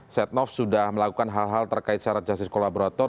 setnoff sudah melakukan hal hal terkait seharga jasadis kolaborator